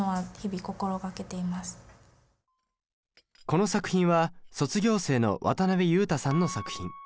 この作品は卒業生の渡辺悠太さんの作品。